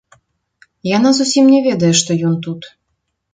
Яна зусім не ведае, што ён тут.